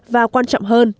và quan trọng hơn